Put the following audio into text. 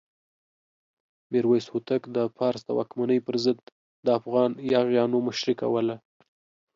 میرویس هوتک د فارس د واکمنۍ پر ضد د افغان یاغیانو مشري کوله.